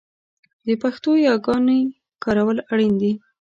د پښتو یاګانې کارول اړین دي